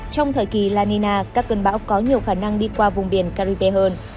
trong thời kỳ la nina các cơn bão có nhiều khả năng đi qua vùng biển caribe hơn